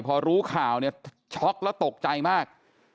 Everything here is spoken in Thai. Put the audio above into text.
พอรู้ข่าวเนี่ยช็อกแล้วตกใจมาก